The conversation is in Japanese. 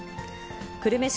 久留米市